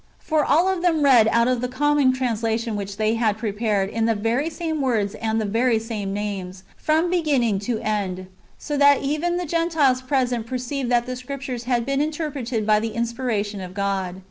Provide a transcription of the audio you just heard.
For all of them read out the common translation [which they had prepared] in the very same words and the very same names, from beginning to end, so that even the Gentiles present perceived that the Scriptures had been interpreted by the inspiration of God.